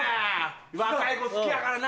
若い子好きやからな！